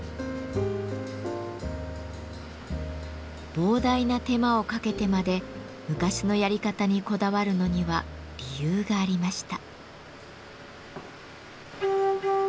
膨大な手間をかけてまで昔のやり方にこだわるのには理由がありました。